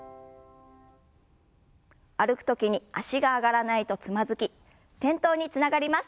歩く時に脚が上がらないとつまずき転倒につながります。